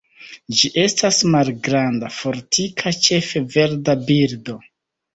Ĝi estas malgranda, fortika, ĉefe verda birdo.